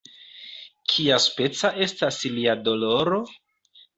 "Kiaspeca estas lia doloro?"